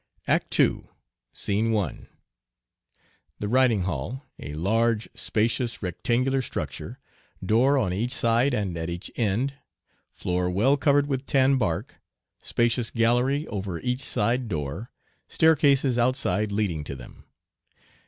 ACT II. SCENE I. The riding hall, a large, spacious, rectangular structure, door on each side and at each end, floor well covered with tan bark, spacious gallery over each side door, staircases outside leading to them.